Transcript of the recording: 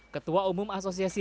ketua umum asosiasi